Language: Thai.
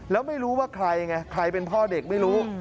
แล้วไม่รู้ว่าใครไงใครเป็นพ่อเด็กไม่รู้